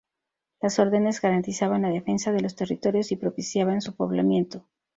Las Órdenes garantizaban la defensa de los territorios y propiciaban su poblamiento.